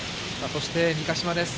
そして、三ヶ島です。